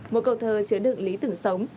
một câu thơ chứa đựng lý tưởng sống